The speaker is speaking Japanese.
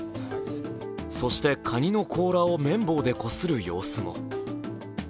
そして、かにの甲羅を綿棒でこする様子も。